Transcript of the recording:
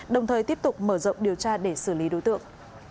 đồng thời tiếp tục mở rộng điều tra để xử lý đối tượng